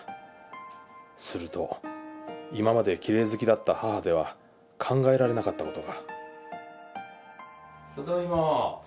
すると今まできれい好きだった母では考えられなかった事がただいま。